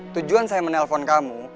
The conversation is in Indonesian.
tujuan saya menelpon kamu